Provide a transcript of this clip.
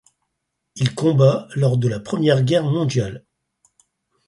Il combat lors de la Première Guerre mondiale.